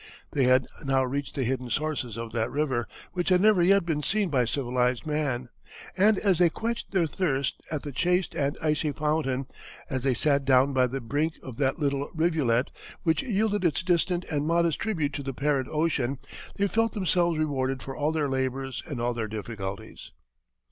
They had now reached the hidden sources of that river, which had never yet been seen by civilized man; and as they quenched their thirst at the chaste and icy fountain as they sat down by the brink of that little rivulet, which yielded its distant and modest tribute to the parent ocean, they felt themselves rewarded for all their labors and all their difficulties."